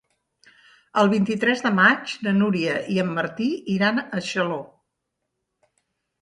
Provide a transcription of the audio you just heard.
El vint-i-tres de maig na Núria i en Martí iran a Xaló.